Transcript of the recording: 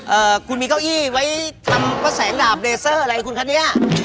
เอ่อคุณมีเก้าอี้ไว้ทำว่าแสงดาบเลเซอร์อะไรคุณคะเนี้ย